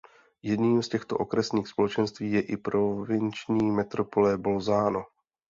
Jedním z těchto okresních společenství je i provinční metropole Bolzano.